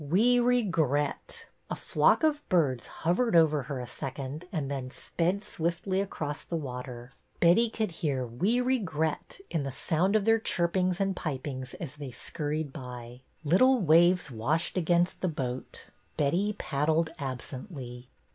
"We regret!" A flock of birds hovered over her a second and then sped swiftly across the water. Betty could 154 BETTY BAIRD'S VENTURES hear we regret " in the sound of their chirp ings and pipings as they scurried by. Little waves washed against the boat. Betty paddled absently.